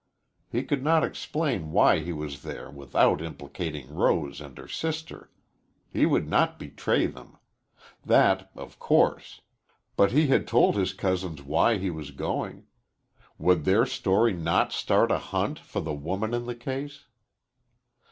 He could not explain why he was there without implicating Rose and her sister. He would not betray them. That of course. But he had told his cousins why he was going. Would their story not start a hunt for the woman in the case?